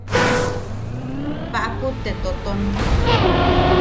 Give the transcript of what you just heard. Paʼaku te toʼoton.